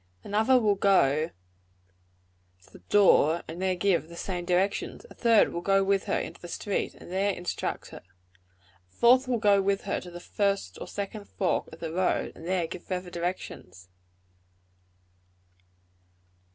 Another will go to the door, and there give the same directions. A third will go with her into the street, and there instruct her. A fourth will go with her to the first or second fork of the road, and there give further directions.